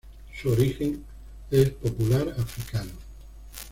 Su origen es popular africano.